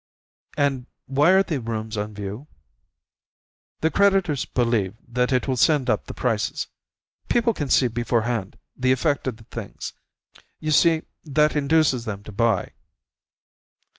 "And why are the rooms on view?" "The creditors believe that it will send up the prices. People can see beforehand the effect of the things; you see that induces them to buy."